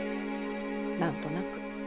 何となく。